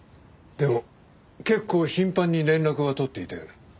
でも結構頻繁に連絡は取っていたよね？